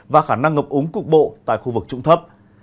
và khả năng ngập úng cục bộ tại khu vực trụng thấp